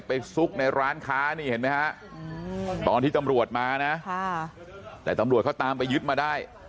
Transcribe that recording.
ซุกในร้านค้านี่เห็นไหมฮะตอนที่ตำรวจมานะแต่ตำรวจเขาตามไปยึดมาได้